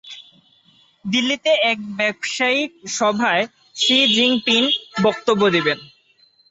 দিল্লিতে এক ব্যবসায়িক সভায় শি জিনপিং বক্তব্য দেবেন।